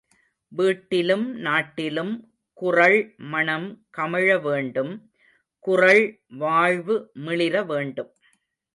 வீட்டிலும், நாட்டிலும் குறள் மணம் கமழ வேண்டும் குறள் வாழ்வு மிளிர வேண்டும்.